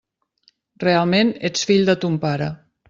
Realment ets fill de ton pare.